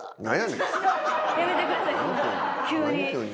何？